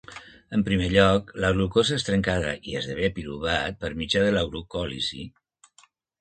En primer lloc, la glucosa és trencada i esdevé piruvat per mitjà de la glucòlisi.